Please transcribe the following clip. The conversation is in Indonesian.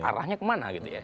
arahnya kemana gitu ya